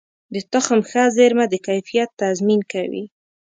د تخم ښه زېرمه د کیفیت تضمین کوي.